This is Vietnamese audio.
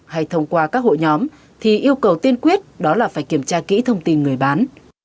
hay thông qua các hội nhóm thì yêu cầu tiên quyết đó là phải kiểm tra kỹ thông tin người bán